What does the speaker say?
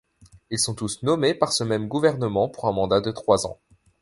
Ils sont tous nommés par ce même gouvernement pour un mandat de trois ans.